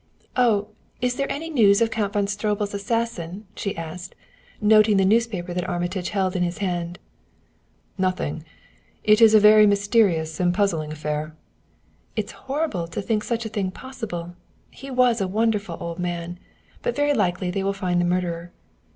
"Oh, is there any news of Count von Stroebel's assassin?" she asked, noting the newspaper that Armitage held in his hand. "Nothing. It's a very mysterious and puzzling affair." "It's horrible to think such a thing possible he was a wonderful old man. But very likely they will find the murderer."